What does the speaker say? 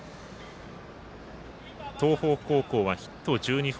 東邦高校はヒット１２本。